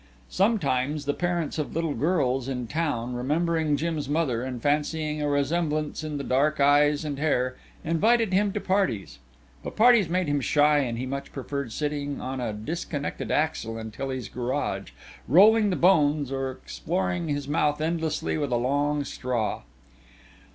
Sometimes the parents of little girls in town, remembering Jim's mother and fancying a resemblance in the dark eyes and hair, invited him to parties, but parties made him shy and he much preferred sitting on a disconnected axle in Tilly's Garage, rolling the bones or exploring his mouth endlessly with a long straw.